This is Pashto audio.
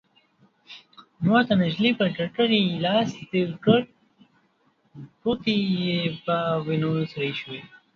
مور د نجلۍ پر ککرۍ لاس تير کړ، ګوتې يې په وينو سرې شوې.